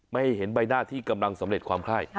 ไม่เห็นใบหน้าที่กำลังสำเร็จความไข้